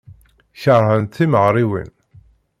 Keṛhent timeɣriwin.